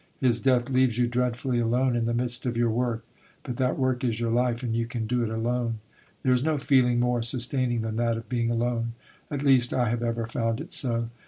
His death leaves you dreadfully alone in the midst of your work, but that work is your life and you can do it alone. There is no feeling more sustaining than that of being alone at least I have ever found it so.